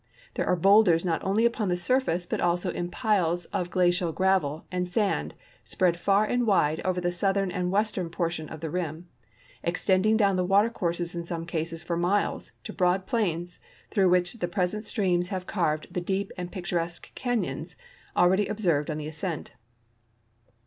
There are boulders not only upon the surface, but also in piles of glacial gravel and sand si»read fiir and wide over the southerri and western portion of the rim, extending down the watercourses in some cases for miles to broad plains thn)ugh which the present streams have carved the deep and picturesque canyons already observed on the ascent.